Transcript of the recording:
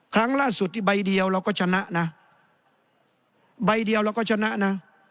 ครั้งล่าสุดที่ใบเดียวเราก็ชนะนะใบเดียวเราก็ชนะนะ